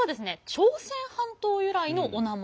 朝鮮半島由来のお名前。